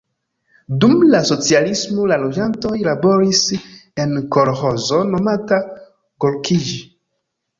Dum la socialismo la loĝantoj laboris en kolĥozo nomata Gorkij.